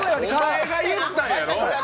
お前が言ったんやろ！